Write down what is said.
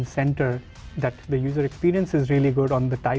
dan pengalaman pengguna itu sangat baik